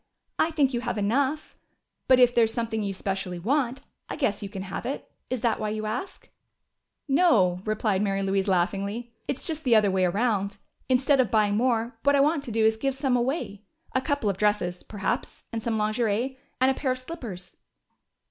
"I think you have enough. But if there is something you specially want, I guess you can have it. Is that why you ask?" "No," replied Mary Louise laughingly. "It's just the other way around. Instead of buying more, what I want to do is to give some away. A couple of dresses, perhaps, and some lingerie. And a pair of slippers."